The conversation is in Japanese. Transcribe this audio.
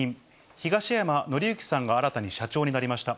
東山紀之さんが新たに社長になりました。